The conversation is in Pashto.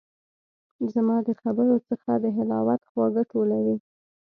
زما د خبرو څخه د حلاوت خواږه ټولوي